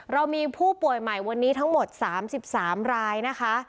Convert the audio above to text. เรามีผู้ป่วยใหม่วันนี้ทั้งหมด๓๓รายนะคะ